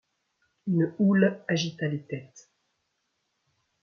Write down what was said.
Une houle agita les têtes.